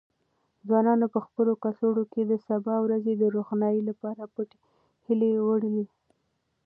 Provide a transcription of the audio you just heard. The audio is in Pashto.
ځوانانو په خپلو کڅوړو کې د سبا ورځې د روښنايي لپاره پټې هیلې وړلې.